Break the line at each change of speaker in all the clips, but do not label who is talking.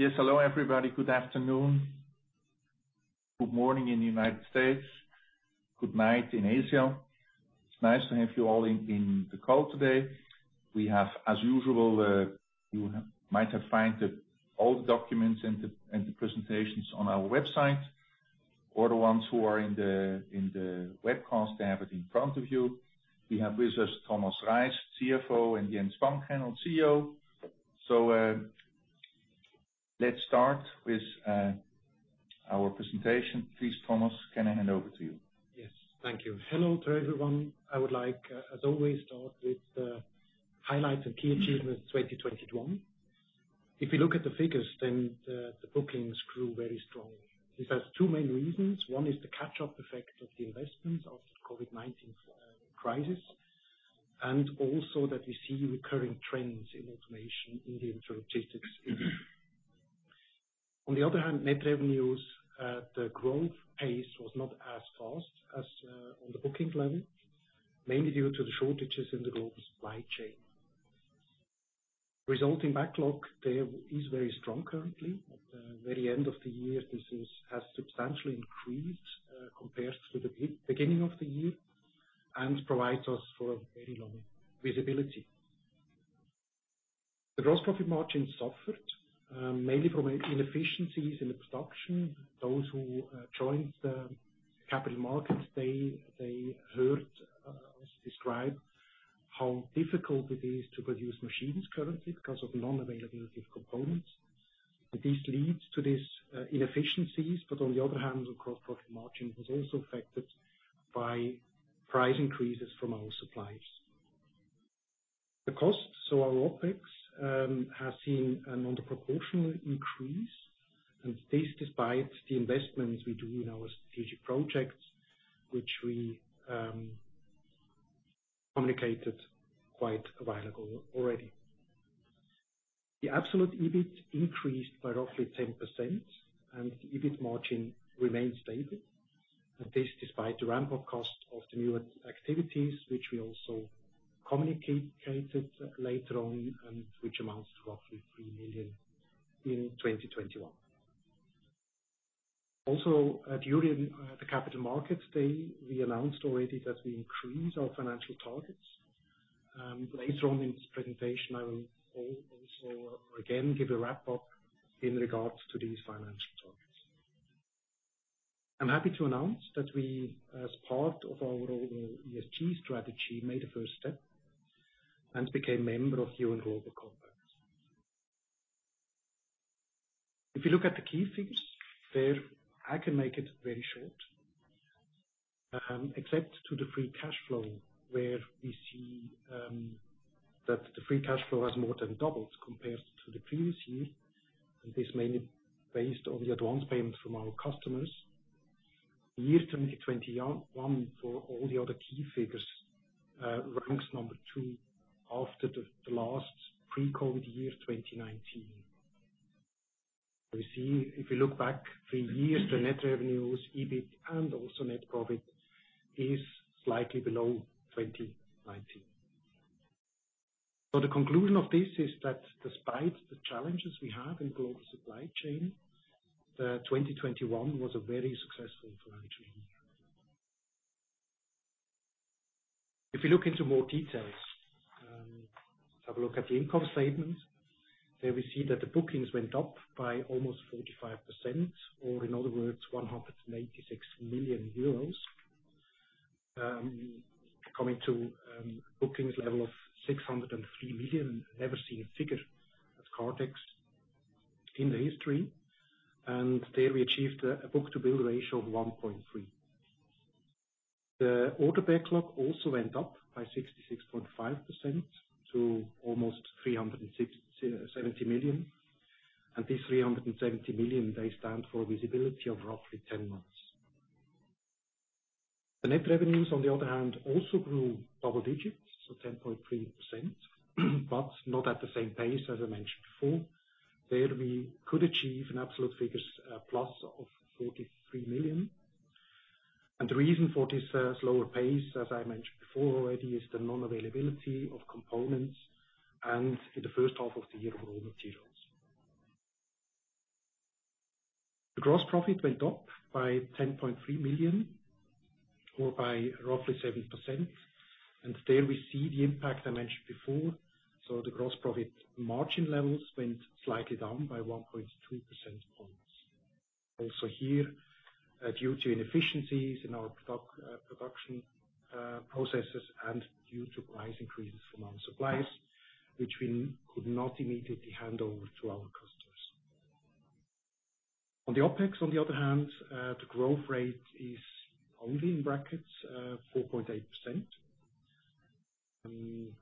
Yes. Hello everybody. Good afternoon. Good morning in the United States. Good night in Asia. It's nice to have you all in the call today. We have, as usual, you might have found all the documents and the presentations on our website, or the ones who are in the webcast to have it in front of you. We have with us Thomas Reist, CFO, and Jens Fankhänel, our CEO. Let's start with our presentation. Please, Thomas, can I hand over to you?
Yes. Thank you. Hello to everyone. I would like, as always, start with the highlights and key achievements 2021. If you look at the figures, then the bookings grew very strongly. This has two main reasons. One is the catch-up effect of the investments of the COVID-19 crisis, and also that we see recurring trends in automation in the intralogistics industry. On the other hand, net revenues at the growth pace was not as fast as on the booking level, mainly due to the shortages in the global supply chain. Resulting backlog there is very strong currently. At the very end of the year, has substantially increased compared to the beginning of the year and provides us for a very long visibility. The gross profit margin suffered mainly from inefficiencies in the production. Those who joined the capital markets, they heard us describe how difficult it is to produce machines currently because of non-availability of components. This leads to these inefficiencies, but on the other hand, the gross profit margin was also affected by price increases from our suppliers. The costs, so our OpEx, has seen an under proportional increase, and this despite the investments we do in our strategic projects, which we communicated quite a while ago already. The absolute EBIT increased by roughly 10%, and EBIT margin remains stable. This despite the ramp-up cost of the new activities, which we also communicated later on and which amounts to roughly 3 million in 2021. Also, during the capital markets day, we announced already that we increase our financial targets. Later on in this presentation, I will also again give a wrap up in regards to these financial targets. I'm happy to announce that we, as part of our overall ESG strategy, made a first step and became member of UN Global Compact. If you look at the key figures, there I can make it very short. Except for the free cash flow, where we see that the free cash flow has more than doubled compared to the previous year, and this mainly based on the advance payment from our customers. The year 2021, for all the other key figures, ranks number two after the last pre-COVID year, 2019. We see if we look back three years, the net revenues, EBIT, and also net profit is slightly below 2019. The conclusion of this is that despite the challenges we have in global supply chain, 2021 was a very successful financial year. If you look into more details, have a look at the income statement. There we see that the bookings went up by almost 45%, or in other words, 186 million euros. Coming to bookings level of 603 million, never seen a figure as Kardex in the history. There we achieved a book-to-bill ratio of 1.3. The order backlog also went up by 66.5% to almost 370 million. This 370 million stands for visibility of roughly ten months. The net revenues, on the other hand, also grew double digits, so 10.3%, but not at the same pace as I mentioned before. There we could achieve an absolute figure, plus of 43 million. The reason for this slower pace, as I mentioned before already, is the non-availability of components and in the first half of the year, raw materials. The gross profit went up by 10.3 million or by roughly 7%, and there we see the impact I mentioned before. The gross profit margin levels went slightly down by 1.2 percentage points. Also here, due to inefficiencies in our production processes and due to price increases from our suppliers, which we could not immediately hand over to our customers. On the OpEx, on the other hand, the growth rate is only 4.8%.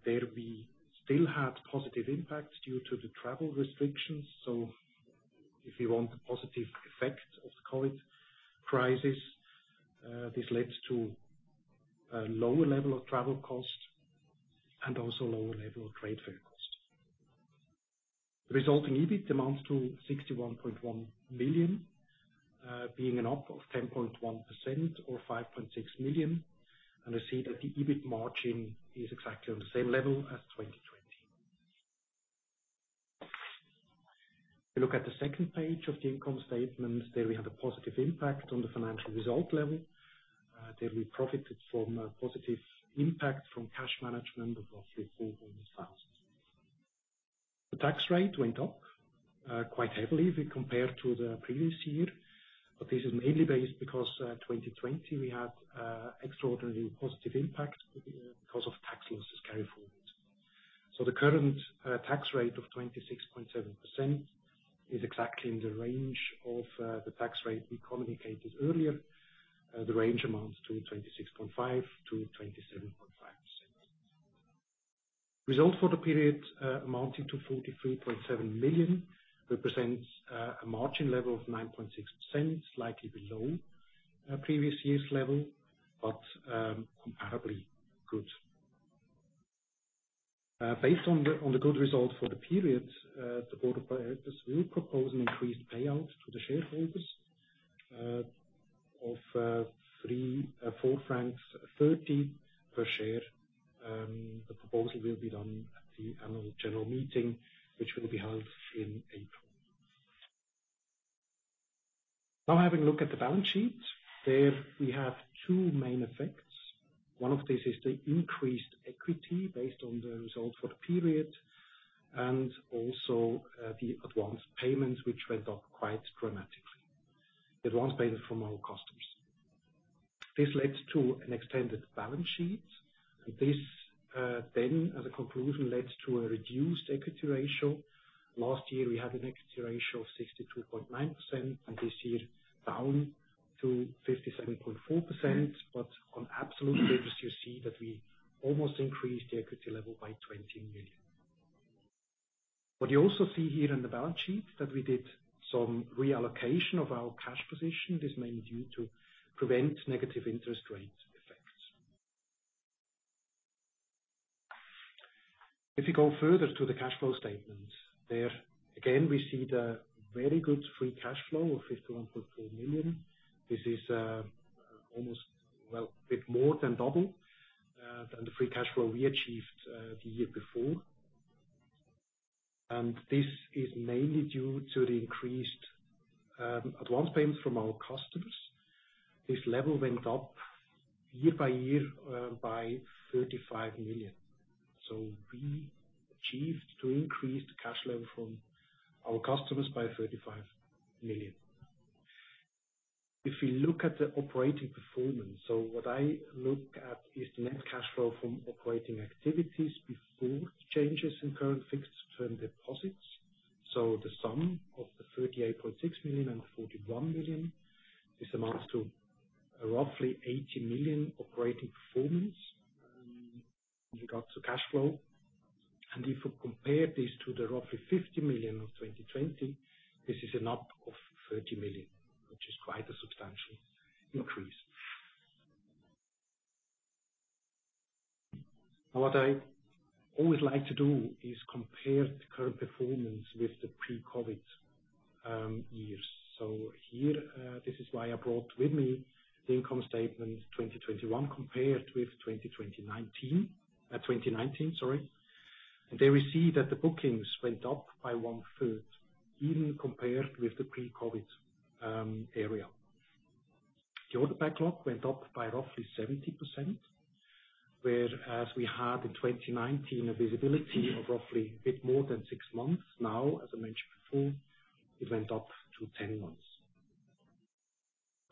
There we still had positive impacts due to the travel restrictions. If you want the positive effect of the COVID crisis, this led to a lower level of travel costs and also lower level of trade fair costs. The resulting EBIT amounts to 61.1 million, being an up of 10.1% or 5.6 million, and I see that the EBIT margin is exactly on the same level as 2020. If you look at the second page of the income statement, there we have a positive impact on the financial result level. There we profited from a positive impact from cash management of roughly 400,000. The tax rate went up quite heavily if we compare to the previous year, but this is mainly based because 2020 we had extraordinary positive impact because of tax loss carryforward. The current tax rate of 26.7% is exactly in the range of the tax rate we communicated earlier. The range amounts to 26.5%-27.5%. Results for the period amounting to 43.7 million represents a margin level of 9.6%, slightly below previous year's level, but comparably good. Based on the good result for the period, the board of directors will propose an increased payout to the shareholders of 4.30 francs per share. The proposal will be done at the annual general meeting, which will be held in April. Now having a look at the balance sheet. There we have two main effects. One of these is the increased equity based on the results for the period, and also the advance payments from our customers which went up quite dramatically. This led to an extended balance sheet, and this then as a conclusion led to a reduced equity ratio. Last year, we had an equity ratio of 62.9%, and this year it's down to 57.4%. On absolute numbers, you see that we almost increased the equity level by 20 million. What you also see here in the balance sheet is that we did some reallocation of our cash position. This is mainly to prevent negative interest rate effects. If you go further to the cash flow statement, there again, we see the very good free cash flow of 51.4 million. This is almost, well, a bit more than double than the free cash flow we achieved the year before. This is mainly due to the increased advance payments from our customers. This level went up year by year by 35 million. We achieved to increase the cash level from our customers by 35 million. If you look at the operating performance, so what I look at is the net cash flow from operating activities before changes in current fixed term deposits. The sum of the 38.6 million and 41 million, this amounts to roughly 80 million operating performance in regards to cash flow. If we compare this to the roughly 50 million of 2020, this is an up of 30 million, which is quite a substantial increase. Now what I always like to do is compare the current performance with the pre-COVID years. Here, this is why I brought with me the income statement 2021 compared with 2019. There we see that the bookings went up by 1/3, even compared with the pre-COVID area. The order backlog went up by roughly 70%, whereas we had in 2019 a visibility of roughly a bit more than six months. Now, as I mentioned before, it went up to 10 months.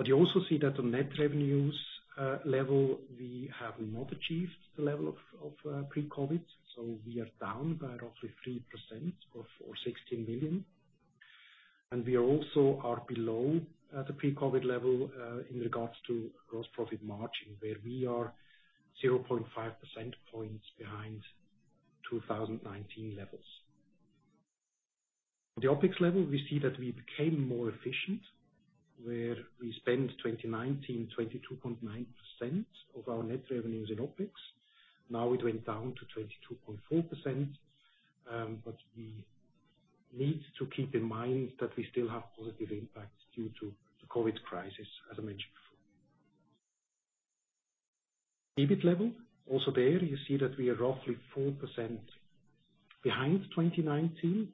You also see that the net revenues level, we have not achieved the level of pre-COVID, so we are down by roughly 3% or 16 million. We also are below the pre-COVID level in regards to gross profit margin, where we are 0.5 percentage points behind 2019 levels. At the OpEx level, we see that we became more efficient, where we spent in 2019, 22.9% of our net revenues in OpEx. Now it went down to 22.4%. But we need to keep in mind that we still have positive impacts due to the COVID crisis, as I mentioned before. At the EBIT level, also there you see that we are roughly 4% behind 2019,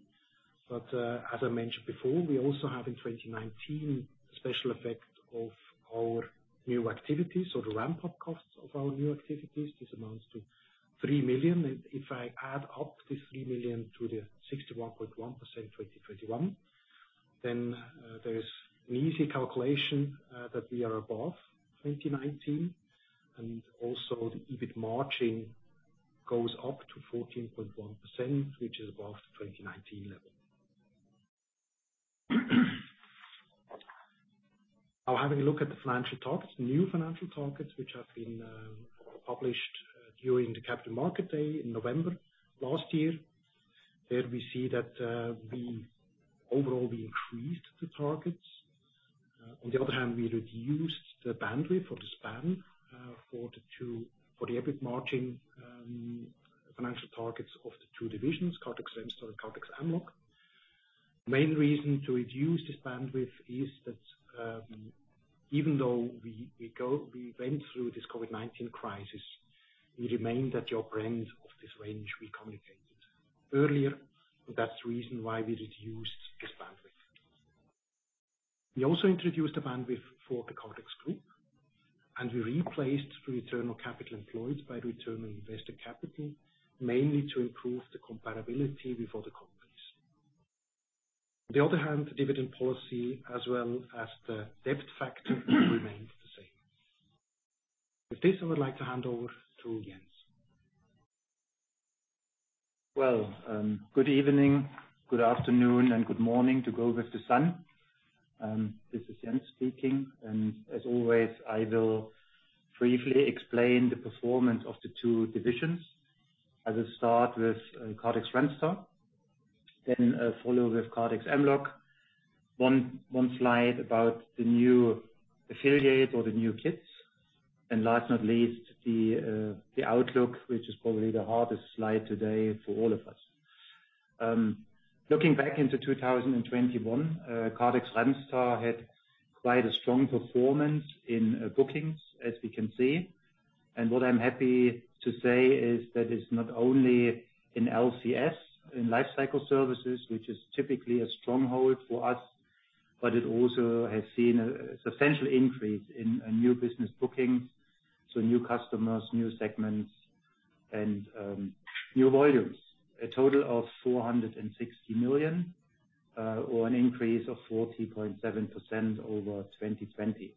but as I mentioned before, we also have in 2019 special effect of our new activities or the ramp-up costs of our new activities. This amounts to 3 million. If I add up this 3 million to the 61.1% in 2021, there's an easy calculation that we are above 2019. Also the EBIT margin goes up to 14.1%, which is above the 2019 level. Now, having a look at the financial targets, new financial targets, which have been published during the capital markets day in November last year. There we see that overall, we increased the targets. On the other hand, we reduced the bandwidth or the span for the EBIT margin. The financial targets of the two divisions, Kardex Remstar, Kardex Mlog. Main reason to reduce this bandwidth is that even though we went through this COVID-19 crisis, we remain within the bounds of this rangej we communicated earlier. That's the reason why we reduced this bandwidth. We also introduced a bandwidth for the Kardex group, and we replaced return on capital employed by return on invested capital, mainly to improve the comparability with other companies. On the other hand, the dividend policy as well as the debt factor remains the same. With this, I would like to hand over to Jens.
Good evening, good afternoon, and good morning to go with the sun. This is Jens speaking, and as always, I will briefly explain the performance of the two divisions. I will start with Kardex Remstar, then follow with Kardex Mlog. One slide about the new affiliate or the new acquisition, and last but not least, the outlook, which is probably the hardest slide today for all of us. Looking back into 2021, Kardex Remstar had quite a strong performance in bookings, as we can see. What I'm happy to say is that it's not only in LCS, in lifecycle services, which is typically a stronghold for us, but it also has seen a substantial increase in new business bookings, so new customers, new segments and new volumes. A total of 460 million, or an increase of 40.7% over 2020.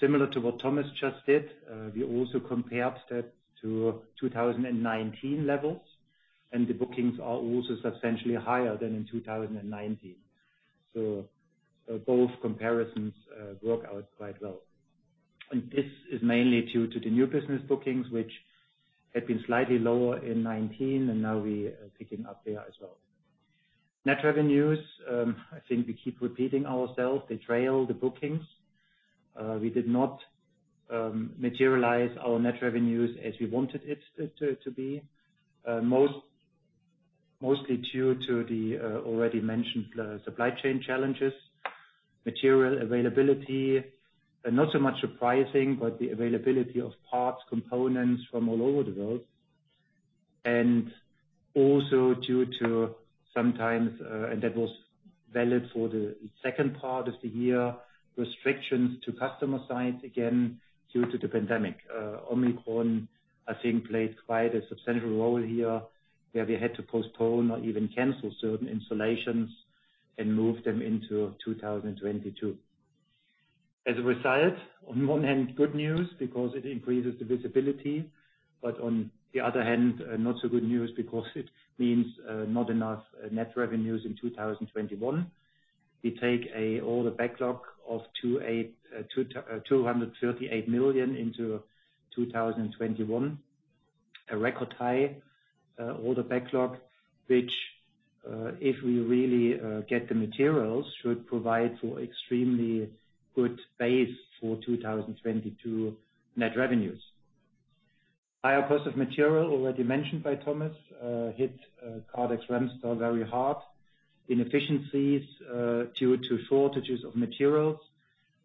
Similar to what Thomas just did, we also compared that to 2019 levels, and the bookings are also substantially higher than in 2019. Both comparisons work out quite well. This is mainly due to the new business bookings, which had been slightly lower in 2019 and now we are picking up there as well. Net revenues, I think we keep repeating ourselves. They trail the bookings. We did not materialize our net revenues as we wanted it to be. Mostly due to the already mentioned supply chain challenges, material availability, and not so much the pricing, but the availability of parts, components from all over the world. Also due to sometimes and that was valid for the second part of the year, restrictions to customer sites, again, due to the pandemic. Omicron, I think, played quite a substantial role here, where we had to postpone or even cancel certain installations and move them into 2022. As a result, on one hand, good news because it increases the visibility, but on the other hand, not so good news because it means not enough net revenues in 2021. We take an order backlog of 238 million into 2021. A record high order backlog, which if we really get the materials, should provide for extremely good base for 2022 net revenues. Higher cost of material, already mentioned by Thomas, hit Kardex Remstar very hard. Inefficiencies due to shortages of materials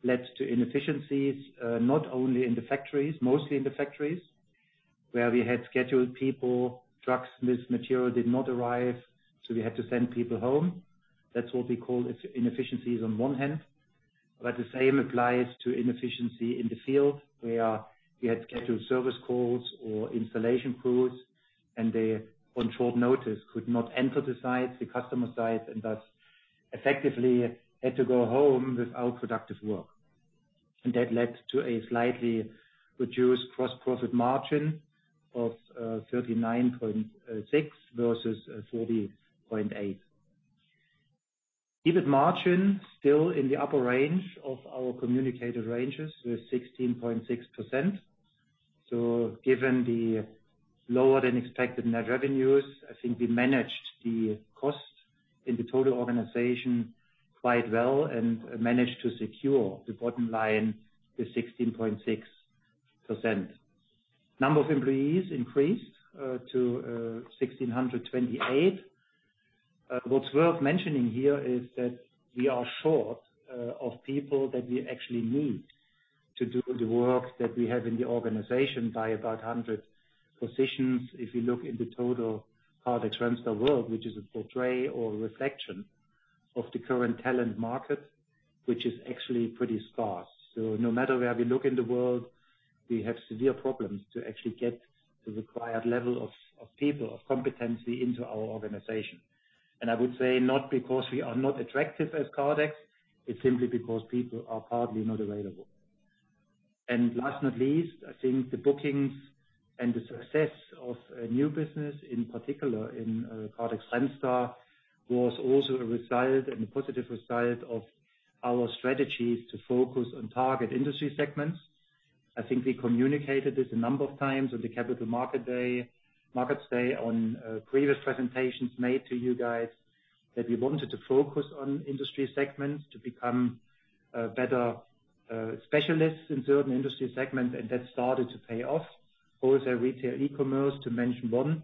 led to inefficiencies not only in the factories, mostly in the factories, where we had scheduled people, trucks with material did not arrive, so we had to send people home. That's what we call inefficiencies on one hand, but the same applies to inefficiency in the field, where we had scheduled service calls or installation crews, and they, on short notice, could not enter the site, the customer site, and thus effectively had to go home without productive work. That led to a slightly reduced gross profit margin of 39.6 versus 40.8. EBIT margin still in the upper range of our communicated ranges with 16.6%. Given the lower than expected net revenues, I think we managed the cost in the total organization quite well and managed to secure the bottom line to 16.6%. Number of employees increased to 1,628. What's worth mentioning here is that we are short of people that we actually need to do the work that we have in the organization by about 100 positions. If you look in the total Kardex Remstar world, which is a portrayal or reflection of the current talent market, which is actually pretty scarce. No matter where we look in the world, we have severe problems to actually get the required level of people of competency into our organization. I would say not because we are not attractive as Kardex, it's simply because people are hardly not available. Last but not least, I think the bookings and the success of a new business, in particular in Kardex Remstar, was also a result and a positive result of our strategy to focus on target industry segments. I think we communicated this a number of times on the capital markets day and previous presentations made to you guys that we wanted to focus on industry segments to become better specialists in certain industry segments, and that started to pay off. Also, retail e-commerce, to mention one,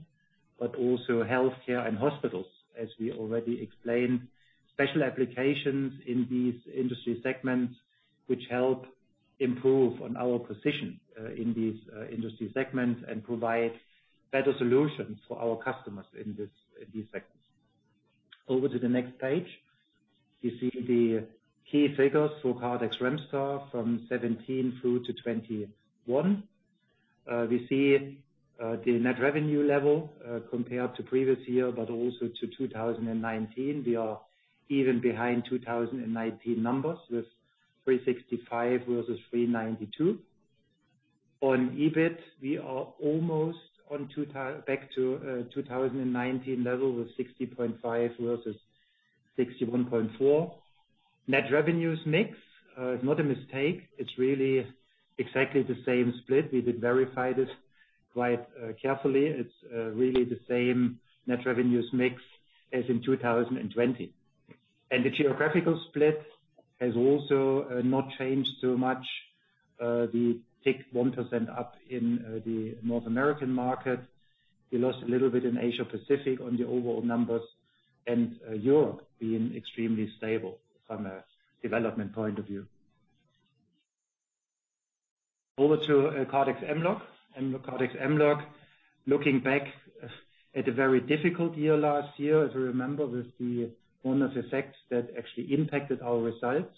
but also healthcare and hospitals. As we already explained, special applications in these industry segments, which help improve on our position in these industry segments and provide better solutions for our customers in this, in these segments. Over to the next page. You see the key figures for Kardex Remstar from 2017 through to 2021. We see the net revenue level compared to previous year, but also to 2019. We are even behind 2019 numbers with 365 versus 392. On EBIT, we are almost back to 2019 level with 60.5 versus 61.4. Net revenues mix is not a mistake. It's really exactly the same split. We did verify this quite carefully. It's really the same net revenues mix as in 2020. The geographical split has also not changed too much. We ticked 1% up in the North American market. We lost a little bit in Asia-Pacific on the overall numbers, and Europe being extremely stable from a development point of view. Over to Kardex Mlog. Kardex Mlog, looking back at a very difficult year last year, as you remember, with the one-off effects that actually impacted our results.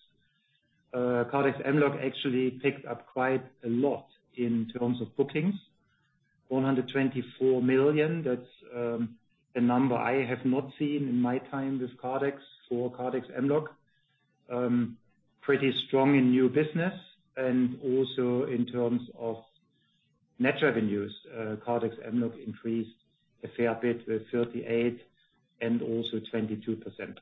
Kardex Mlog actually picked up quite a lot in terms of bookings. 124 million, that's a number I have not seen in my time with Kardex for Kardex Mlog. Pretty strong in new business and also in terms of net revenues. Kardex Mlog increased a fair bit with 38% and also 22%.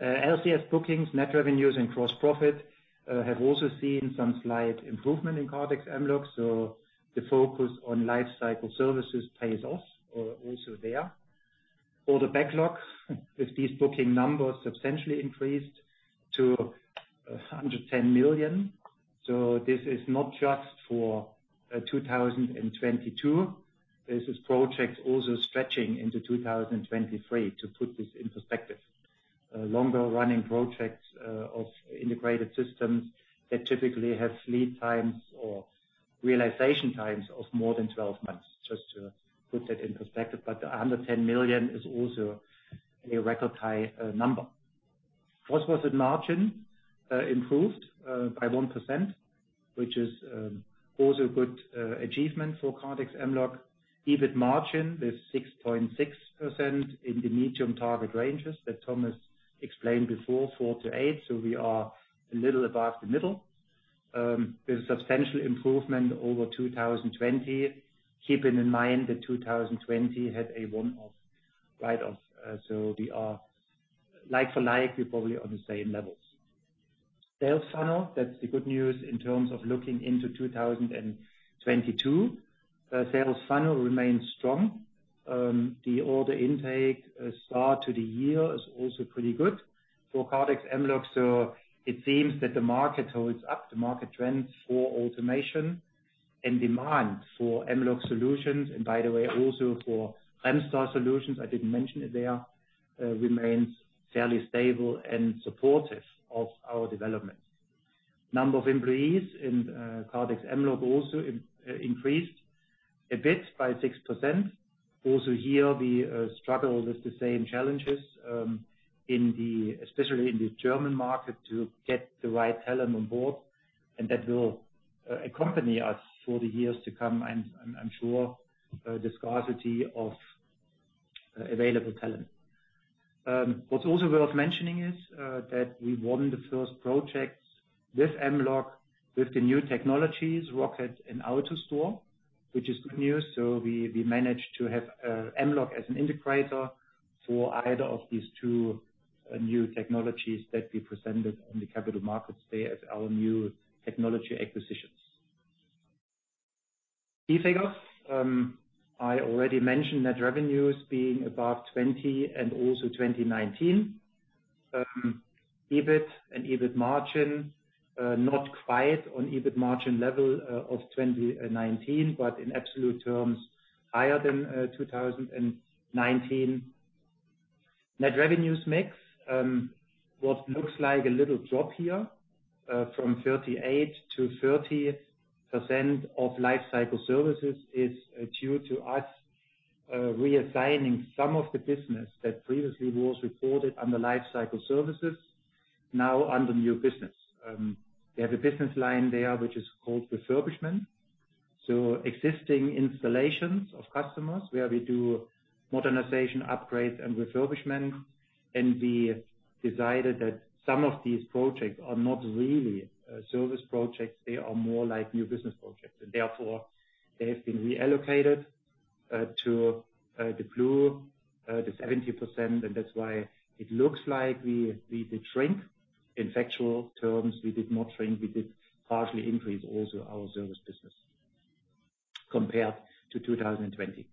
LCS bookings, net revenues, and gross profit have also seen some slight improvement in Kardex Mlog, so the focus on life cycle services pays off, also there. Order backlogs, with these booking numbers, substantially increased to 110 million. This is not just for 2022. These projects also stretching into 2023, to put this into perspective. Longer running projects of integrated systems that typically have lead times or realization times of more than 12 months, just to put that in perspective. The under 10 million is also a record high number. Gross profit margin improved by 1%, which is also a good achievement for Kardex Mlog. EBIT margin with 6.6% in the medium target ranges that Thomas explained before, 4%-8%, so we are a little above the middle. With a substantial improvement over 2020. Keeping in mind that 2020 had a one-off write off, so we are like for like, we're probably on the same levels. Sales funnel, that's the good news in terms of looking into 2022. Sales funnel remains strong. The order intake start to the year is also pretty good for Kardex Mlog. It seems that the market holds up. The market trends for automation and demand for Mlog solutions, and by the way, also for Remstar solutions, I didn't mention it there, remains fairly stable and supportive of our development. Number of employees in Kardex Mlog also increased a bit by 6%. Also here, we struggle with the same challenges, especially in the German market, to get the right talent on board. That will accompany us for the years to come. I'm sure the scarcity of available talent. What's also worth mentioning is that we won the first projects with Mlog with the new technologies, Rocket and AutoStore, which is good news. We managed to have Mlog as an integrator for either of these two new technologies that we presented on the capital markets day as our new technology acquisitions. Key figures. I already mentioned net revenues being above 2020 and also 2019. EBIT and EBIT margin not quite on EBIT margin level of 2019, but in absolute terms, higher than 2019. Net revenues mix, what looks like a little drop here from 38%-30% of lifecycle services is due to us reassigning some of the business that previously was reported under lifecycle services now under new business. We have a business line there, which is called refurbishment. Existing installations of customers where we do modernization upgrades and refurbishment, and we decided that some of these projects are not really service projects, they are more like new business projects. Therefore, they have been reallocated to the blue the 70%, and that's why it looks like we did shrink. In factual terms, we did not shrink. We did partially increase also our service business compared to 2020.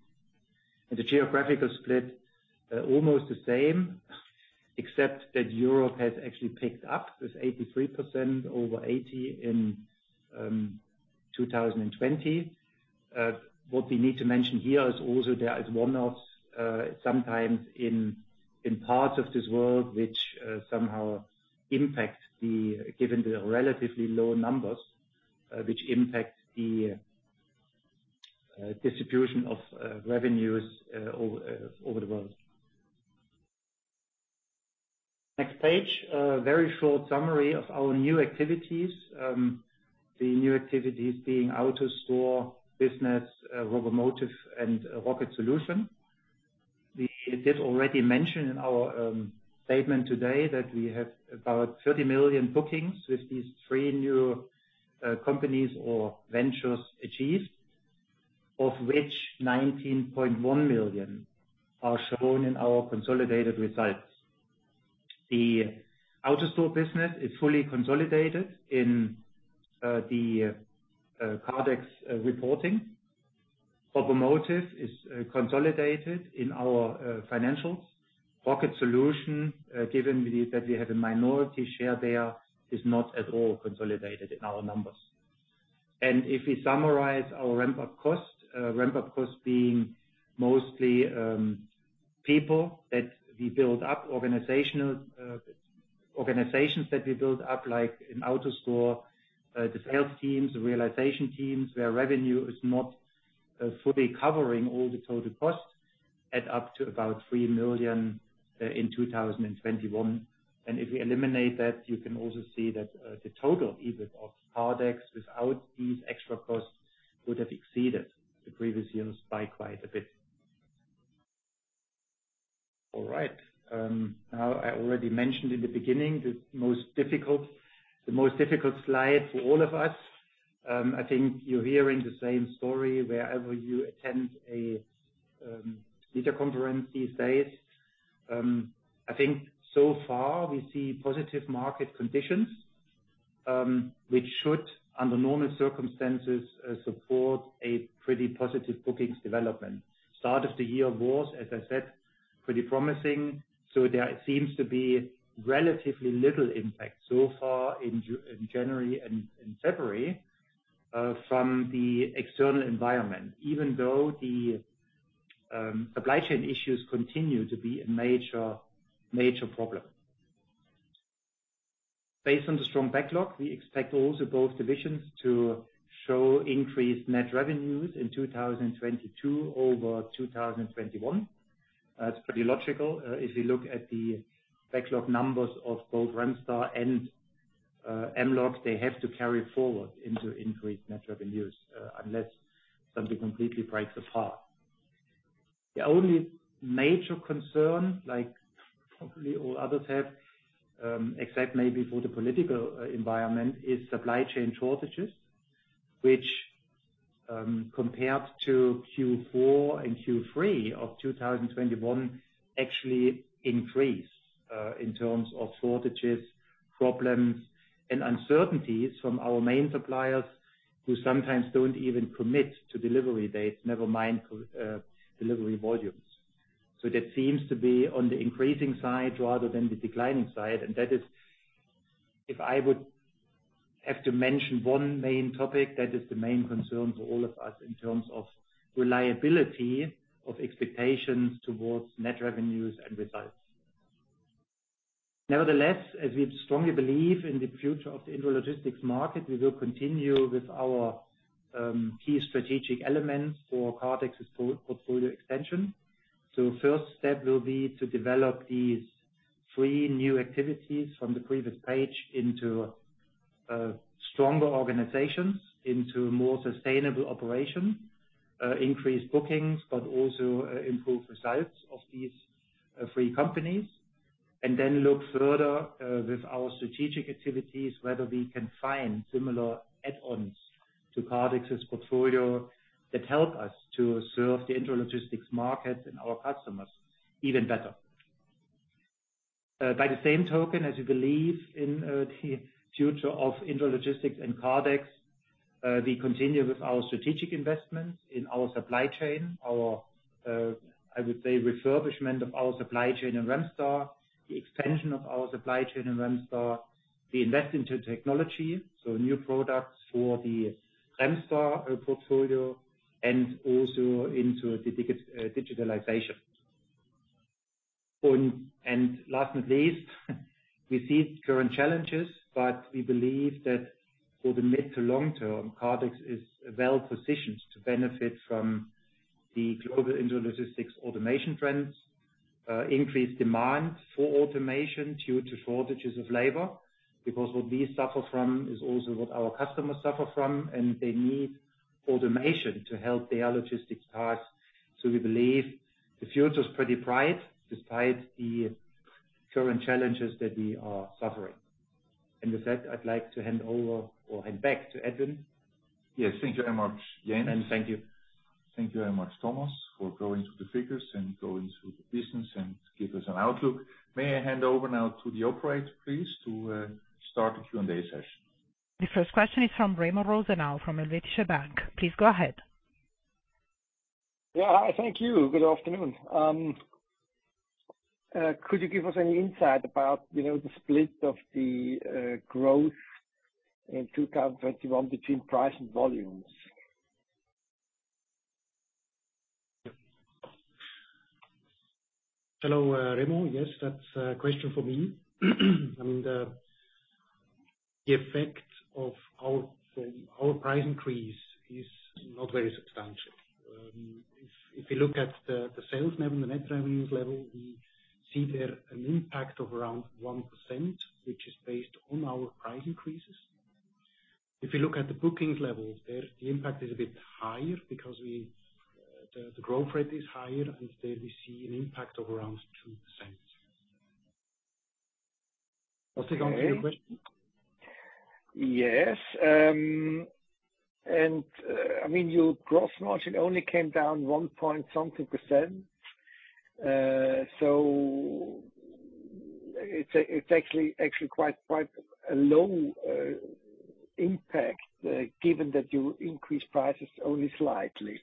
The geographical split almost the same, except that Europe has actually picked up with 83%, over 80% in 2020. What we need to mention here is also there is one-offs, sometimes in parts of this world which somehow impacts given the relatively low numbers, which impacts the distribution of revenues over the world. Next page, a very short summary of our new activities, the new activities being AutoStore business, Robomotive and Rocket Solution. We did already mention in our statement today that we have about 30 million bookings with these three new companies or ventures achieved, of which 19.1 million are shown in our consolidated results. The AutoStore business is fully consolidated in the Kardex reporting. Robomotive is consolidated in our financials. Rocket Solution, given that we have a minority share there, is not at all consolidated in our numbers. If we summarize our ramp-up costs, ramp-up costs being mostly people that we build up, organizational organizations that we build up, like in AutoStore, the sales teams, the realization teams, where revenue is not fully covering all the total costs up to about 3 million in 2021. If we eliminate that, you can also see that the total EBIT of Kardex without these extra costs would have exceeded the previous years by quite a bit. All right. Now I already mentioned in the beginning, the most difficult slide for all of us. I think you're hearing the same story wherever you attend a data conference these days. I think so far we see positive market conditions, which should, under normal circumstances, support a pretty positive bookings development. Start of the year was, as I said, pretty promising, so there seems to be relatively little impact so far in January and in February from the external environment, even though the supply chain issues continue to be a major problem. Based on the strong backlog, we expect also both divisions to show increased net revenues in 2022 over 2021. It's pretty logical if you look at the backlog numbers of both Remstar and Mlog, they have to carry forward into increased net revenues unless something completely breaks apart. The only major concern, like probably all others have, except maybe for the political environment, is supply chain shortages, which, compared to Q4 and Q3 of 2021 actually increased in terms of shortages, problems and uncertainties from our main suppliers who sometimes don't even commit to delivery dates, never mind delivery volumes. That seems to be on the increasing side rather than the declining side. That is, if I would have to mention one main topic, that is the main concern for all of us in terms of reliability of expectations towards net revenues and results. Nevertheless, as we strongly believe in the future of the intralogistics market, we will continue with our key strategic elements for Kardex's portfolio extension. First step will be to develop these three new activities from the previous page into stronger organizations, into more sustainable operations, increase bookings, but also improve results of these three companies. Then look further with our strategic activities, whether we can find similar add-ons to Kardex's portfolio that help us to serve the intralogistics markets and our customers even better. By the same token, as we believe in the future of intralogistics and Kardex, we continue with our strategic investments in our supply chain, our, I would say, refurbishment of our supply chain in Remstar, the expansion of our supply chain in Remstar. We invest into technology, so new products for the Remstar portfolio and also into digitalization. Last but not least, we see current challenges, but we believe that for the mid to long term, Kardex is well-positioned to benefit from the global intralogistics automation trends, increased demand for automation due to shortages of labor. Because what we suffer from is also what our customers suffer from, and they need automation to help their logistics parts. We believe the future is pretty bright despite the current challenges that we are suffering. With that, I'd like to hand over or hand back to Edwin.
Yes. Thank you very much, Jens.
Thank you.
Thank you very much, Thomas, for going through the figures and going through the business and give us an outlook. May I hand over now to the operator, please, to start the Q&A session.
The first question is from Remo Rosenau from Helvetische Bank. Please go ahead.
Yeah. Hi. Thank you. Good afternoon. Could you give us any insight about, you know, the split of the growth in 2021 between price and volumes?
Hello, Remo. Yes, that's a question for me. I mean, the effect of our price increase is not very substantial. If you look at the net revenues level, we see there an impact of around 1%, which is based on our price increases. If you look at the bookings level, there the impact is a bit higher because the growth rate is higher, and there we see an impact of around 2%. Was there another question?
Yes. I mean, your gross margin only came down 1 point something %. It's actually quite a low impact, given that you increased prices only slightly.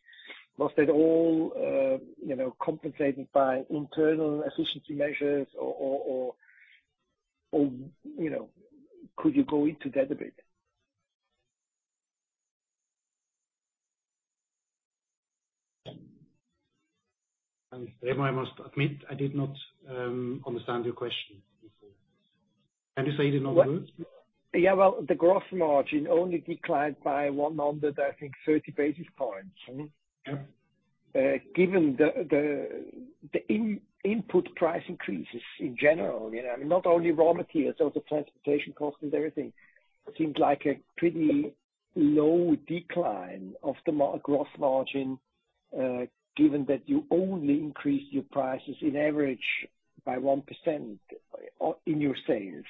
Was that all, you know, compensated by internal efficiency measures or, you know, could you go into that a bit?
Remo, I must admit, I did not understand your question before. Can you say it in other words?
Well, the gross margin only declined by 100, I think, 30 basis points. Given the input price increases in general, you know, not only raw materials, also transportation costs and everything, it seems like a pretty low decline of the gross margin, given that you only increased your prices on average by 1% in your sales.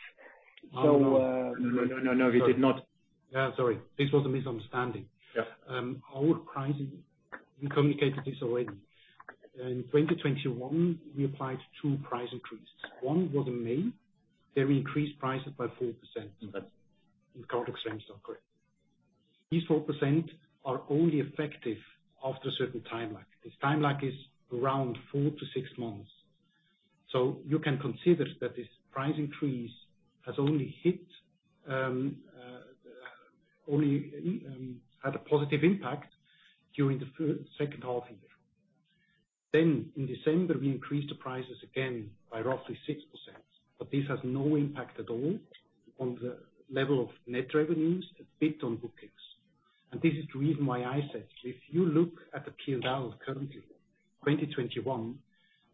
No, no, we did not. Sorry, this was a misunderstanding.
Yeah.
Our pricing, we communicated this already. In 2021, we applied two price increases. One was in May, there we increased prices by 4%. In quote extension, correct. These 4% are only effective after a certain timeline. This timeline is around four-six months. You can consider that this price increase has only had a positive impact during the second half of the year. In December, we increased the prices again by roughly 6%, but this has no impact at all on the level of net revenues, a bit on bookings. This is the reason why I said, if you look at the P&L currently, 2021,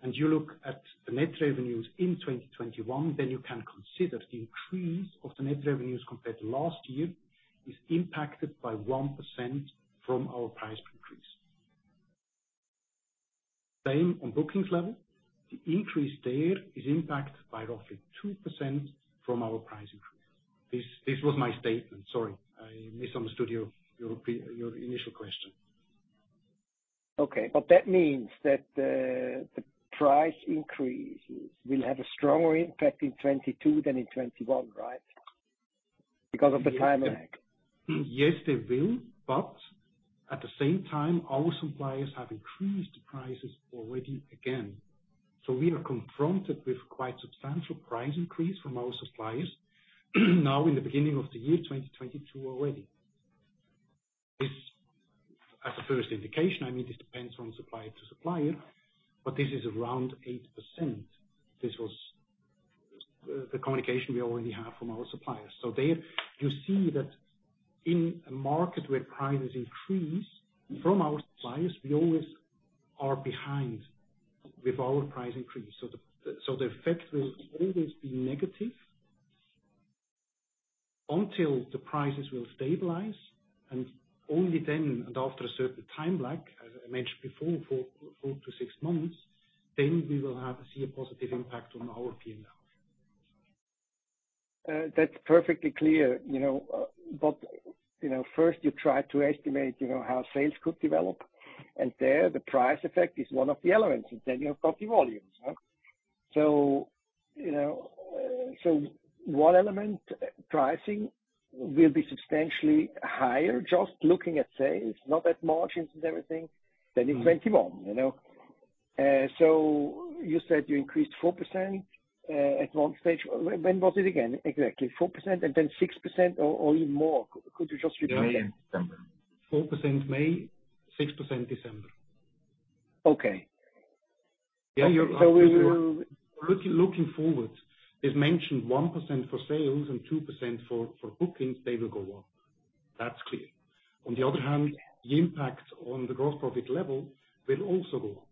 and you look at the net revenues in 2021, then you can consider the increase of the net revenues compared to last year is impacted by 1% from our price increase. Same on bookings level. The increase there is impacted by roughly 2% from our price increase. This was my statement. Sorry, I misunderstood your initial question.
Okay, that means that the price increases will have a stronger impact in 2022 than in 2021, right? Because of the time lag.
Yes, they will, but at the same time, our suppliers have increased prices already again. We are confronted with quite substantial price increase from our suppliers now in the beginning of the year, 2022 already. This, as a first indication, I mean, this depends from supplier to supplier, but this is around 8%. This was the communication we already have from our suppliers. There you see that in a market where prices increase from our suppliers, we always are behind with our price increase. The effect will always be negative until the prices will stabilize, and only then, and after a certain time lag, as I mentioned before, 4-6 months, then we will have to see a positive impact on our P&L.
That's perfectly clear, you know. You know, first you try to estimate, you know, how sales could develop, and there the price effect is one of the elements. You've got the volumes, huh? You know, so one element, pricing will be substantially higher just looking at sales, not at margins and everything than in 2021, you know. You said you increased 4% at one stage. When was it again exactly? 4% and then 6% or even more? Could you just repeat that?
May and December. 4% May, 6% December.
Okay.
Yeah, you're
We will.
Looking forward, it mentioned 1% for sales and 2% for bookings, they will go up. That's clear. On the other hand, the impact on the gross profit level will also go up.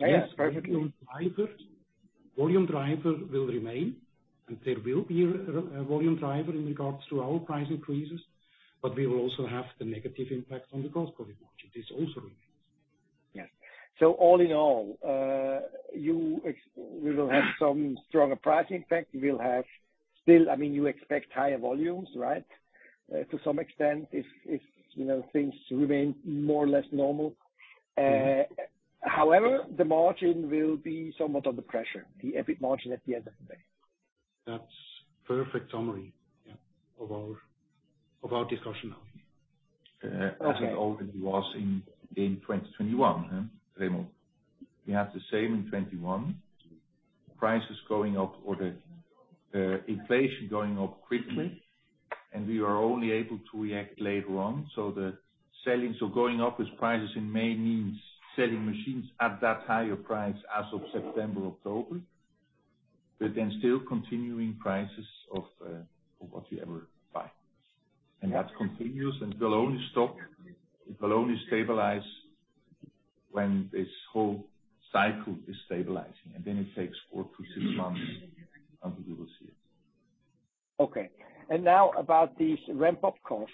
Yes, perfectly.
Yes, volume driver will remain and there will be a volume driver in regards to our price increases, but we will also have the negative impact on the gross profit margin. This also remains.
Yes. All in all, we will have some stronger pricing effect. We'll have still I mean, you expect higher volumes, right? To some extent if you know, things remain more or less normal. However, the margin will be somewhat under pressure, the EBIT margin at the end of the day.
That's perfect summary, yeah, of our discussion now.
Okay.
As it already was in 2021, Remo. We had the same in 2021. Prices going up or the inflation going up quickly, and we are only able to react later on. Going up with prices in May means selling machines at that higher price as of September, October. Then still continuing prices of whatever you buy. That continues and will only stop, it will only stabilize when this whole cycle is stabilizing. Then it takes four-six months until we will see it.
Okay. Now about these ramp-up costs,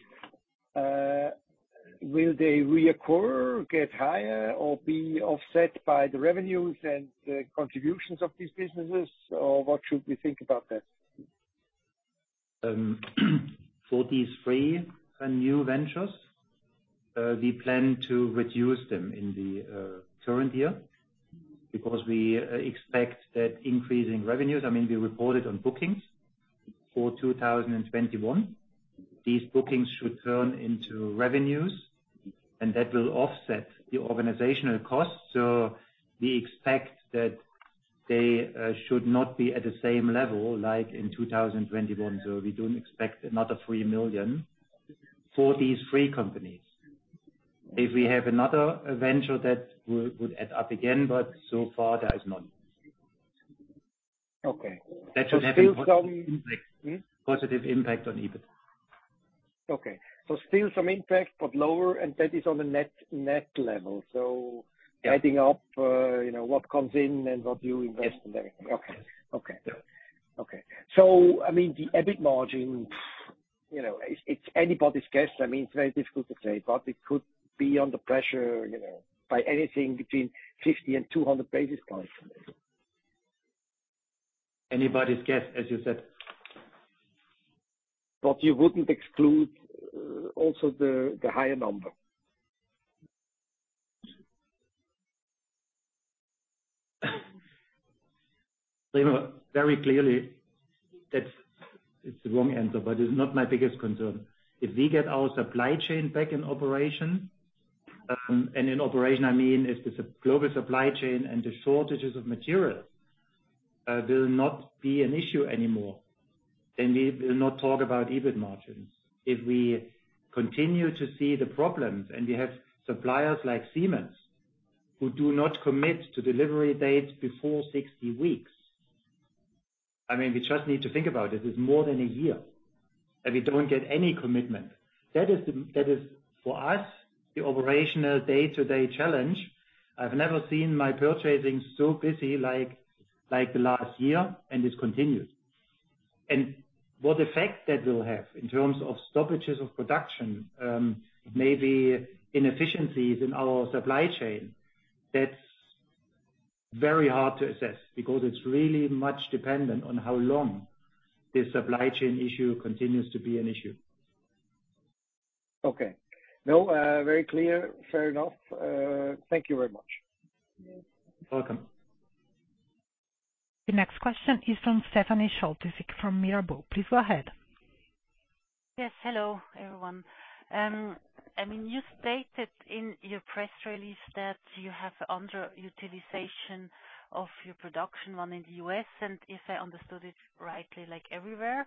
will they reoccur, get higher, or be offset by the revenues and the contributions of these businesses, or what should we think about that?
For these three new ventures, we plan to reduce them in the current year because we expect that increasing revenues. I mean, we reported on bookings for 2021. These bookings should turn into revenues, and that will offset the organizational costs. We expect that they should not be at the same level like in 2021. We don't expect another 3 million for these three companies. If we have another venture, that would add up again, but so far there is none.
Okay. Still some
That should have a positive impact. Positive impact on EBIT.
Okay. Still some impact, but lower, and that is on the net level.
Yeah.
adding up, you know, what comes in and what you invest in everything.
Yes.
Okay. I mean, the EBIT margin, you know, it's anybody's guess. I mean, it's very difficult to say, but it could be under pressure, you know, by anything between 50 and 200 basis points.
Anybody's guess, as you said.
You wouldn't exclude also the higher number?
Remo, very clearly that's. It's the wrong answer, but it's not my biggest concern. If we get our supply chain back in operation, and in operation I mean if the global supply chain and the shortages of materials will not be an issue anymore, then we will not talk about EBIT margins. If we continue to see the problems and we have suppliers like Siemens who do not commit to delivery dates before 60 weeks, I mean, we just need to think about it. It's more than a year, and we don't get any commitment. That is for us, the operational day-to-day challenge. I've never seen my purchasing so busy like the last year, and it continues. What effect that will have in terms of stoppages of production, maybe inefficiencies in our supply chain, that's very hard to assess because it's really much dependent on how long this supply chain issue continues to be an issue.
Okay. No, very clear. Fair enough. Thank you very much.
You're welcome.
The next question is from Stephanie Schultze from Mirabaud. Please go ahead.
Yes. Hello, everyone. I mean, you stated in your press release that you have underutilization of your production line in the U.S., and if I understood it rightly, like everywhere,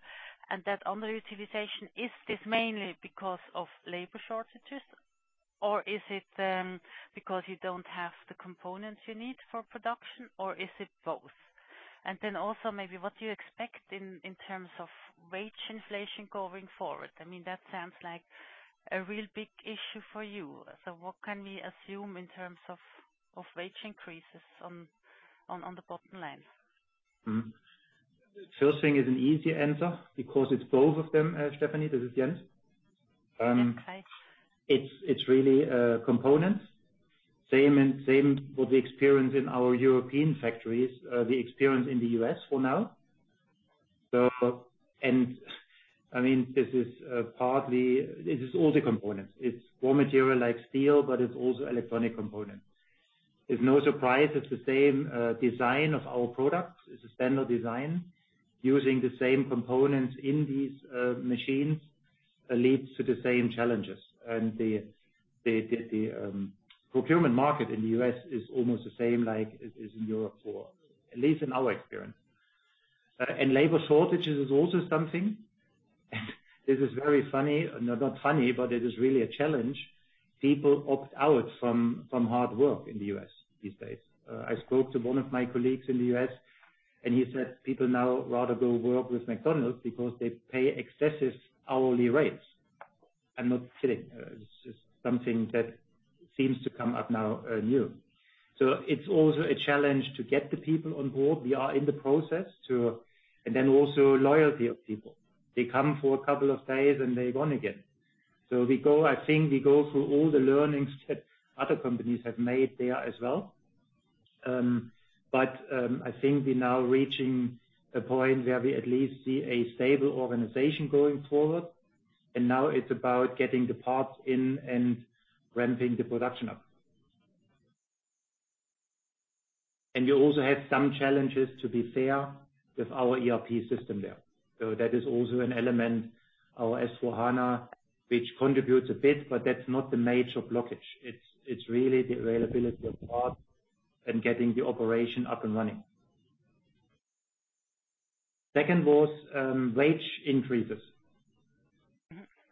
and that underutilization, is this mainly because of labor shortages, or is it because you don't have the components you need for production, or is it both? Also maybe what do you expect in terms of wage inflation going forward? I mean, that sounds like a real big issue for you. What can we assume in terms of wage increases on the bottom line
First thing is an easy answer because it's both of them, Stephanie. This is Jens.
Okay.
It's really components. Same as what we experience in our European factories, we experience in the U.S. for now. I mean, this is all the components. It's raw material like steel, but it's also electronic components. It's no surprise it's the same design of our products. It's a standard design. Using the same components in these machines leads to the same challenges. The procurement market in the U.S. is almost the same like it is in Europe, or at least in our experience. Labor shortages is also something. This is very funny. No, not funny, but it is really a challenge. People opt out from hard work in the U.S. these days. I spoke to one of my colleagues in the U.S., and he said people now rather go work with McDonald's because they pay excessive hourly rates. I'm not kidding. This is something that seems to come up now. It's also a challenge to get the people on board. Loyalty of people. They come for a couple of days, and they're gone again. We go through all the learnings that other companies have made there as well. I think we're now reaching a point where we at least see a stable organization going forward, and now it's about getting the parts in and ramping the production up. We also had some challenges, to be fair, with our ERP system there. That is also an element, our S/4Hana, which contributes a bit, but that's not the major blockage. It's really the availability of parts and getting the operation up and running. Second was wage increases.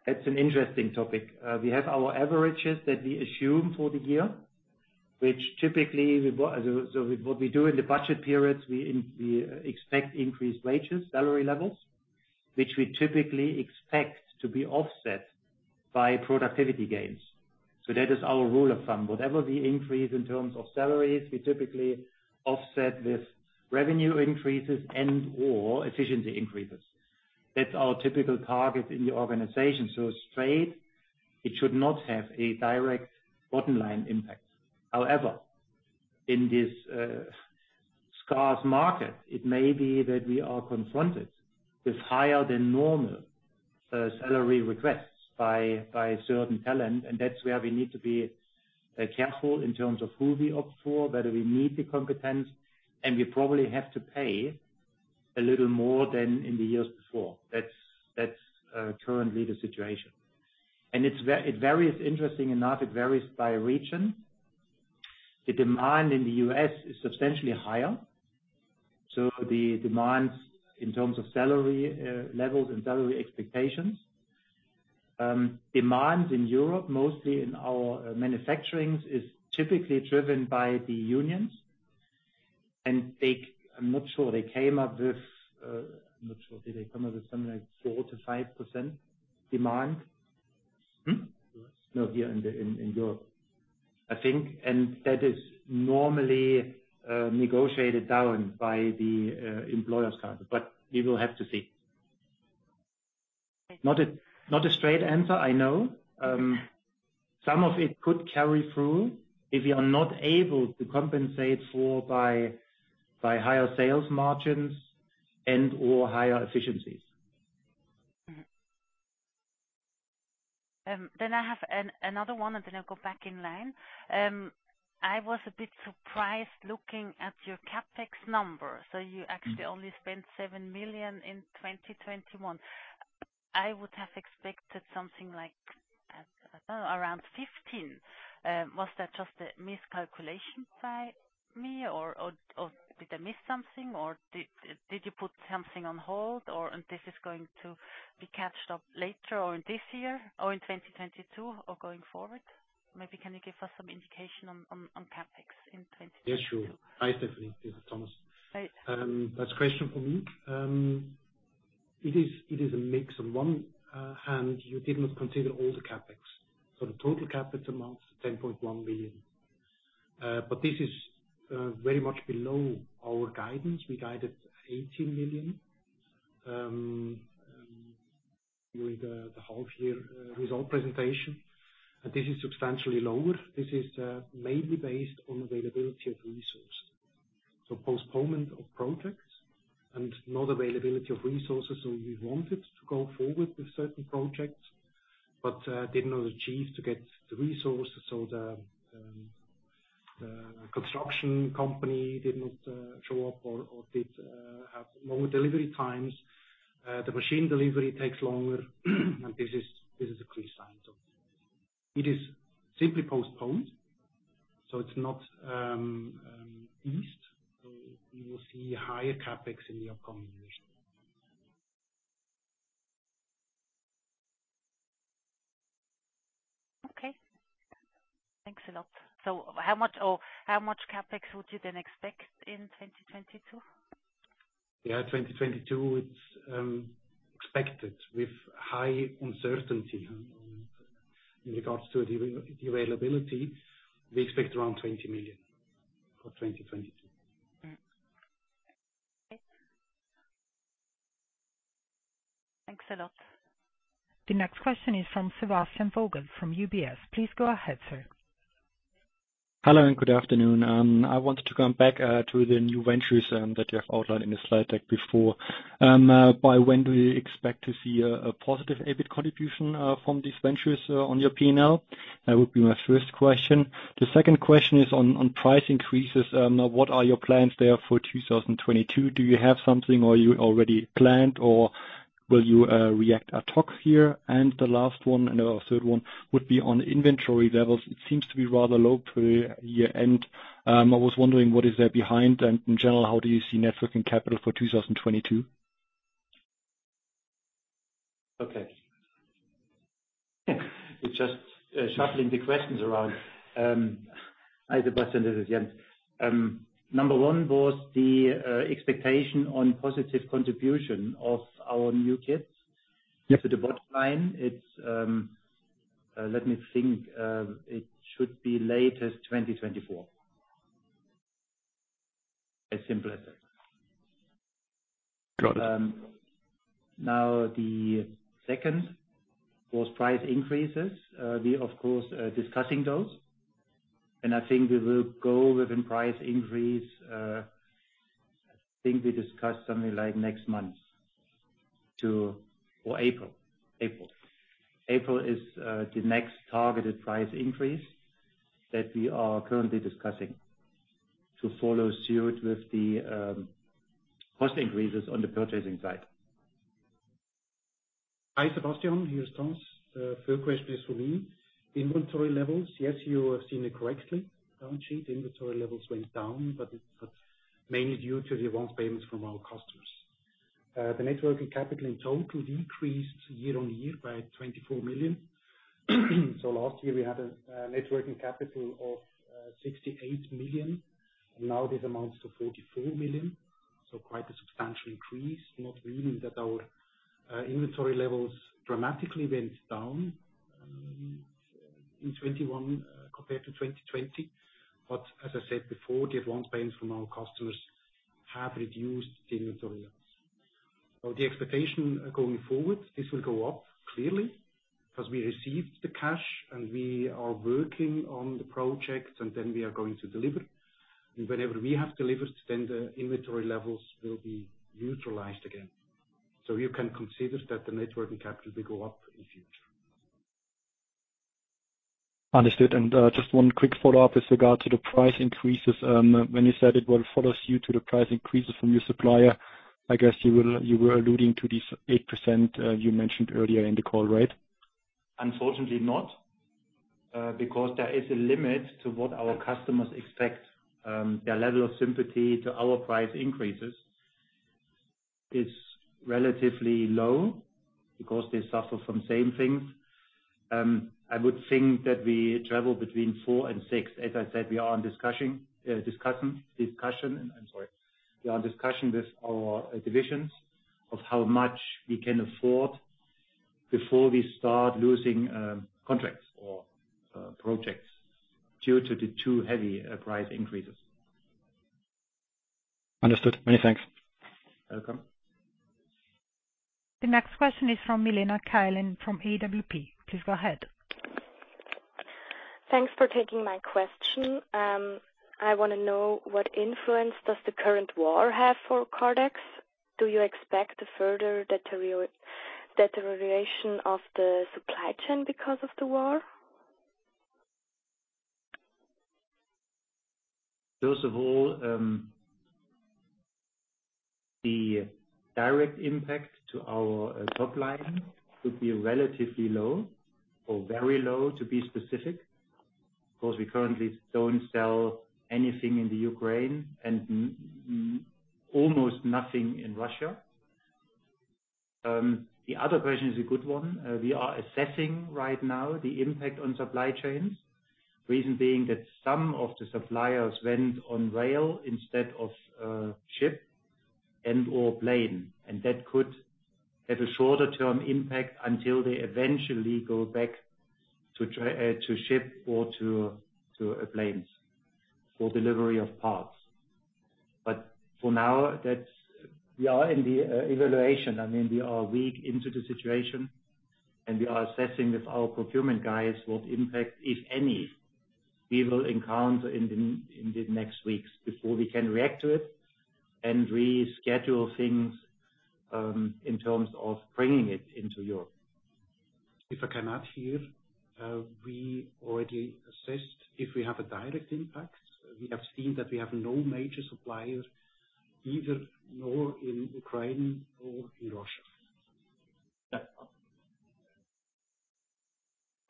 That's an interesting topic. We have our averages that we assume for the year. What we do in the budget periods, we expect increased wages, salary levels, which we typically expect to be offset by productivity gains. That is our rule of thumb. Whatever we increase in terms of salaries, we typically offset with revenue increases and/or efficiency increases. That's our typical target in the organization. Straight, it should not have a direct bottom line impact. However, in this scarce market, it may be that we are confronted with higher than normal salary requests by certain talent, and that's where we need to be careful in terms of who we opt for, whether we need the competence, and we probably have to pay a little more than in the years before. That's currently the situation. It varies, interesting or not, it varies by region. The demand in the U.S. is substantially higher, so the demands in terms of salary levels and salary expectations. Demands in Europe, mostly in our manufacturing, is typically driven by the unions. I'm not sure. They came up with,
I'm not sure. Did they come up with something like 4%-5% demand? No, here in Europe.
I think and that is normally negotiated down by the employers' side. We will have to see. Not a straight answer, I know. Some of it could carry through if we are not able to compensate for by higher sales margins and/or higher efficiencies.
I have another one, and then I'll go back in line. I was a bit surprised looking at your CapEx number. You actually only spent 7 million in 2021. I would have expected something like, I don't know, around 15 million. Was that just a miscalculation by me, or did I miss something? Or did you put something on hold or, and this is going to be caught up later on this year or in 2022 or going forward? Maybe can you give us some indication on CapEx in 2022?
Yeah, sure. Hi, Stephanie. This is Thomas.
Hi.
That's a question for me. It is a mix. On one hand, you did not consider all the CapEx. The total CapEx amounts 10.1 million. But this is very much below our guidance. We guided 18 million during the half year result presentation. This is substantially lower. This is mainly based on availability of resources. Postponement of projects and not availability of resources. We wanted to go forward with certain projects, but did not achieve to get the resources. The construction company did not show up or did have longer delivery times. The machine delivery takes longer, and this is a clear sign. It is simply postponed, so it's not eased. You will see higher CapEx in the upcoming years.
Okay. Thanks a lot. How much CapEx would you then expect in 2022?
Yeah, 2022, it's expected with high uncertainty in regards to the availability. We expect around 20 million for 2022.
Okay. Thanks a lot.
The next question is from Sebastian Vogel from UBS. Please go ahead, sir.
Hello and good afternoon. I wanted to come back to the new ventures that you have outlined in the slide deck before. By when do you expect to see a positive EBIT contribution from these ventures on your P&L? That would be my first question. The second question is on price increases. Now what are your plans there for 2022? Do you have something or you already planned or will you react ad hoc here? The last one, our third one, would be on inventory levels. It seems to be rather low per year-end. I was wondering what is there behind? In general, how do you see net working capital for 2022?
Okay. We're just shuffling the questions around. Hi Sebastian, this is Jens. Number one was the expectation on positive contribution of our new kits to the bottom line. It's, let me think, late 2024. As simple as that.
Got it.
Now the second was price increases. We of course are discussing those, and I think we will go with the price increase. I think we discussed something like next month or April. April is the next targeted price increase that we are currently discussing to follow suit with the cost increases on the purchasing side.
Hi, Sebastian, here's Thomas. Third question is for me. Inventory levels, yes, you have seen it correctly, balance sheet inventory levels went down, but it's mainly due to the advance payments from our customers. The net working capital in total decreased year-on-year by 24 million. Last year we had a net working capital of 68 million. Now it amounts to 44 million, so quite a substantial increase. Not meaning that our inventory levels dramatically went down in 2021 compared to 2020. As I said before, the advance payments from our customers have reduced the inventory levels. The expectation going forward, this will go up clearly, 'cause we received the cash and we are working on the projects and then we are going to deliver. Whenever we have delivered, then the inventory levels will be neutralized again. You can consider that the net working capital will go up in the future.
Understood. Just one quick follow-up with regard to the price increases. When you said it will follow suit to the price increases from your supplier, I guess you were alluding to this 8%, you mentioned earlier in the call, right?
Unfortunately not, because there is a limit to what our customers expect. Their level of sympathy to our price increases is relatively low because they suffer from same things. I would think that we travel between 4%-6%. As I said, we are discussing with our divisions of how much we can afford before we start losing contracts or projects due to the too heavy price increases.
Understood. Many thanks.
Welcome.
The next question is from Milena Kälin from AWP. Please go ahead.
Thanks for taking my question. I wanna know what influence does the current war have for Kardex? Do you expect a further deterioration of the supply chain because of the war?
First of all, the direct impact to our top line should be relatively low, or very low, to be specific, 'cause we currently don't sell anything in the Ukraine and almost nothing in Russia. The other question is a good one. We are assessing right now the impact on supply chains, reason being that some of the suppliers went on rail instead of ship and/or plane. That could have a shorter term impact until they eventually go back to ship or to planes for delivery of parts. For now, that's. We are in the evaluation. I mean, we are a week into the situation, and we are assessing with our procurement guys what impact, if any, we will encounter in the next weeks before we can react to it and reschedule things in terms of bringing it into Europe.
If I can add here, we already assessed if we have a direct impact. We have seen that we have no major suppliers either, nor in Ukraine or in Russia.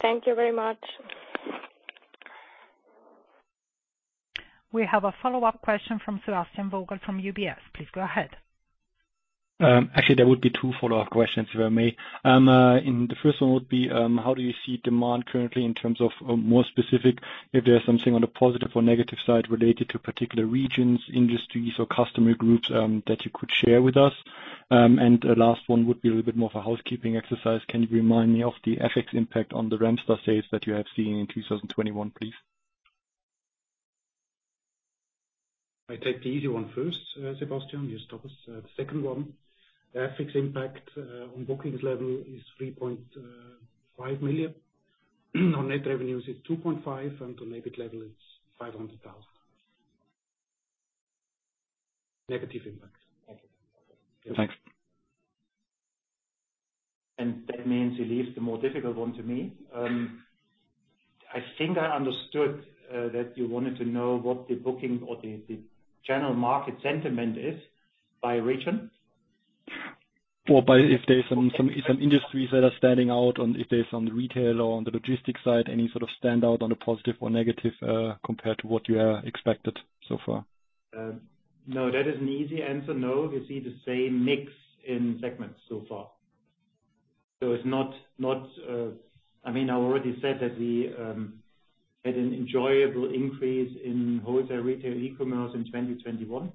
Thank you very much.
We have a follow-up question from Sebastian Vogel from UBS. Please go ahead.
Actually, there would be two follow-up questions, if I may. The first one would be, how do you see demand currently in terms of, more specific, if there's something on the positive or negative side related to particular regions, industries or customer groups, that you could share with us? The last one would be a little bit more of a housekeeping exercise. Can you remind me of the FX impact on the Remstar sales that you have seen in 2021, please?
I take the easy one first, Sebastian. Yes, Thomas. The second one, the FX impact on bookings level is 3.5 million. On net revenues is 2.5 million, and on net level it's 500,000. Negative impact.
Thanks.
That means he leaves the more difficult one to me. I think I understood that you wanted to know what the booking or the general market sentiment is by region.
If there's some industries that are standing out, on the retail or on the logistics side, any sort of standout on the positive or negative, compared to what you have expected so far?
No, that is an easy answer. No, we see the same mix in segments so far. It's not. I mean, I already said that we had an enjoyable increase in wholesale retail e-commerce in 2021.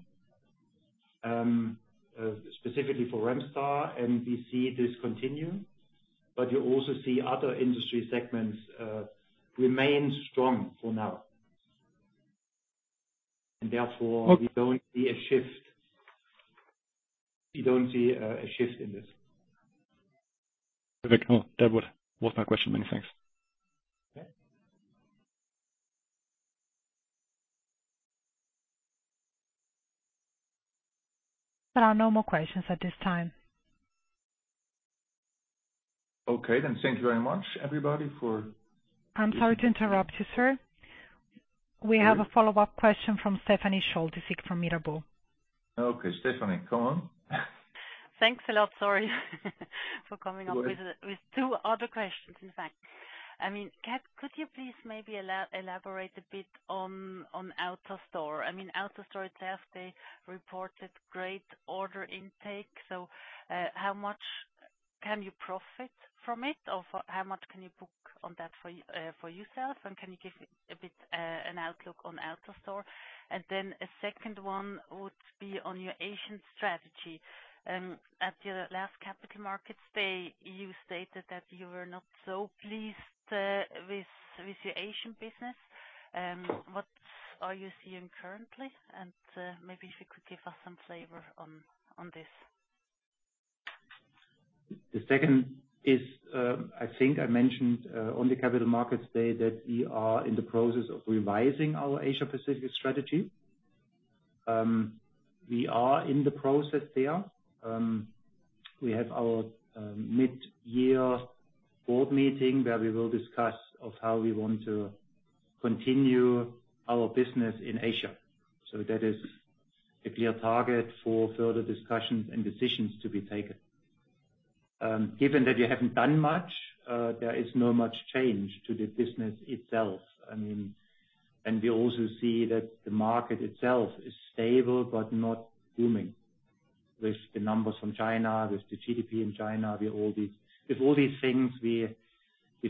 Specifically for Remstar and we see this continue, but you also see other industry segments remain strong for now. Therefore. We don't see a shift in this.
Perfect. Well, that was my question. Many thanks.
Okay.
There are no more questions at this time.
Okay then. Thank you very much, everybody.
I'm sorry to interrupt you, sir. We have a follow-up question from Stephanie Schultze from Mirabaud.
Okay, Stephanie, go on.
Thanks a lot.
Go ahead.
With two other questions, in fact. I mean, could you please maybe elaborate a bit on AutoStore? I mean, AutoStore itself, they reported great order intake, so how much can you profit from it? Or for how much can you book on that for yourself? And can you give a bit an outlook on AutoStore? And then a second one would be on your Asian strategy. At your last capital markets day, you stated that you were not so pleased with your Asian business. What are you seeing currently? And maybe if you could give us some flavor on this.
The second is, I think I mentioned, on the capital markets day that we are in the process of revising our Asia Pacific strategy. We are in the process there. We have our mid-year board meeting where we will discuss of how we want to continue our business in Asia. That is a clear target for further discussions and decisions to be taken. Given that you haven't done much, there is not much change to the business itself. I mean. We also see that the market itself is stable but not booming. With the numbers from China, with the GDP in China, with all these things, we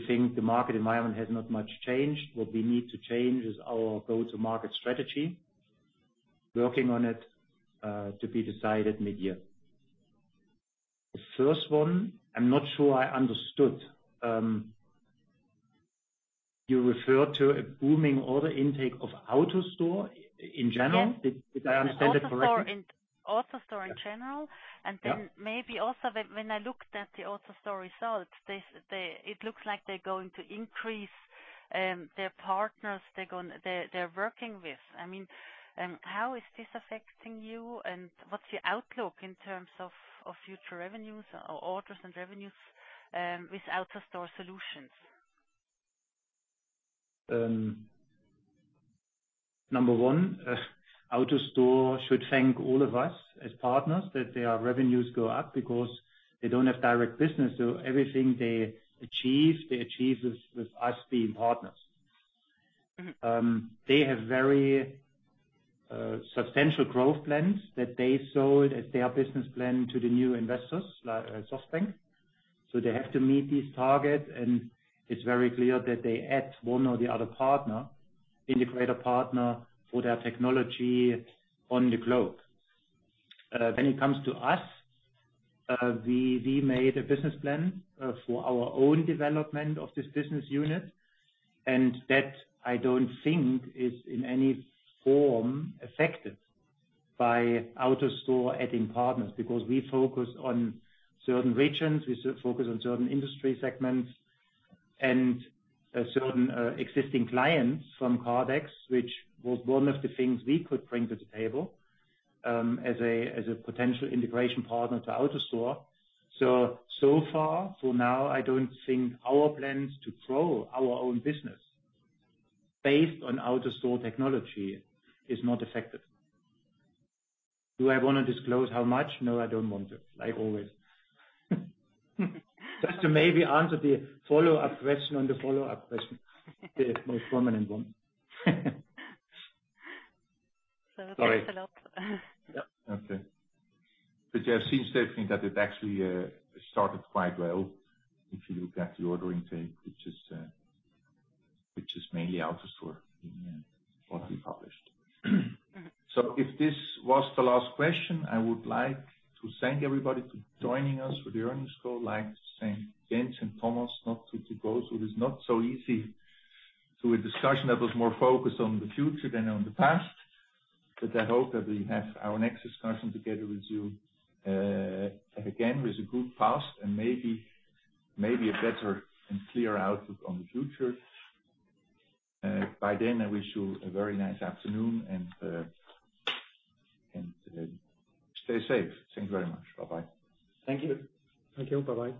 think the market environment has not much changed. What we need to change is our go-to-market strategy. Working on it, to be decided mid-year. The first one, I'm not sure I understood. You referred to a booming order intake of AutoStore in general?
Yes.
Did I understand that correctly?
AutoStore in general. When I looked at the AutoStore results, it looks like they're going to increase their partners they're working with. I mean, how is this affecting you, and what's your outlook in terms of future revenues or orders and revenues with AutoStore solutions?
Number one, AutoStore should thank all of us as partners that their revenues go up because they don't have direct business. Everything they achieve, they achieve with us being partners. They have very substantial growth plans that they sold as their business plan to the new investors, like SoftBank. They have to meet these targets, and it's very clear that they add one or the other partner, integrator partner, for their technology on the globe. When it comes to us, we made a business plan for our own development of this business unit, and that, I don't think, is in any form affected by AutoStore adding partners. Because we focus on certain regions, we focus on certain industry segments and certain existing clients from Kardex, which was one of the things we could bring to the table, as a potential integration partner to AutoStore. So far, for now, I don't think our plans to grow our own business based on AutoStore technology is not affected. Do I wanna disclose how much? No, I don't want to. Like always. Just to maybe answer the follow-up question on the follow-up question. The most prominent one.
Okay. Thanks a lot.
You have seen, Stephanie, that it actually started quite well, if you look at the order intake, which is mainly AutoStore in what we published.
If this was the last question, I would like to thank everybody for joining us for the earnings call. I'd like to thank Jens and Thomas for going through this not so easy discussion that was more focused on the future than on the past. I hope that we have our next discussion together with you again, with a good past and maybe a better and clearer outlook on the future. By then, I wish you a very nice afternoon and stay safe. Thanks very much. Bye-bye.
Thank you. Bye-bye.